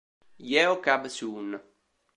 Yeo Kab-soon